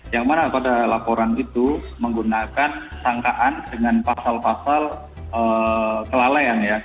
yang mana pada laporan itu menggunakan sangkaan dengan pasal pasal kelalaian ya